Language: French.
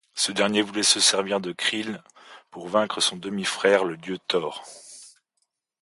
Ce dernier voulait se servir de Creel pour vaincre son demi-frère, le dieu Thor.